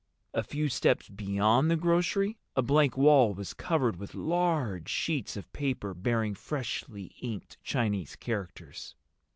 A few steps beyond the grocery a blank wall was covered with large sheets of paper bearing freshly inked Chinese characters.